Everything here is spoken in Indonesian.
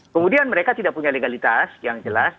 kemudian mereka tidak punya legalitas yang jelas